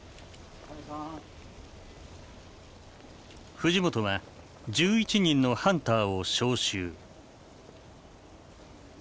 藤本は１１人のハンターを招集。